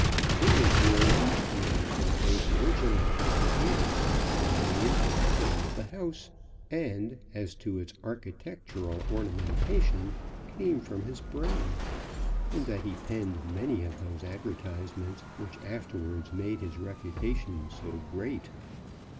It was during these days that those original ideas as to the name and colour of the house, and as to its architectural ornamentation, came from his brain, and that he penned many of those advertisements which afterwards made his reputation so great.